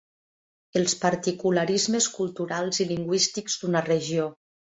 Els particularismes culturals i lingüístics d'una regió.